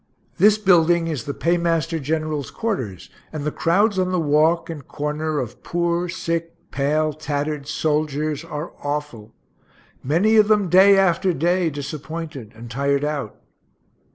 This building is the paymaster general's quarters, and the crowds on the walk and corner of poor, sick, pale, tattered soldiers are awful many of them day after day disappointed and tired out.